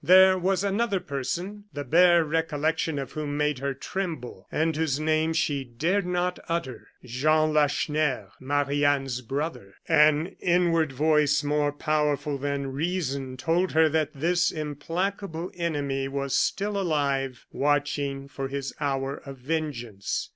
There was another person, the bare recollection of whom made her tremble, and whose name she dared not utter. Jean Lacheneur, Marie Anne's brother. An inward voice, more powerful than reason, told her that this implacable enemy was still alive, watching for his hour of vengeance.